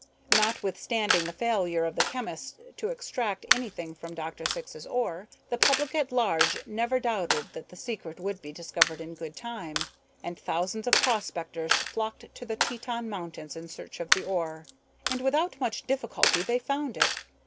Notwithstanding the failure of the chemists to extract anything from Dr. Syx's ore, the public at large never doubted that the secret would be discovered in good time, and thousands of prospectors flocked to the Teton Mountains in search of the ore. And without much difficulty they found it.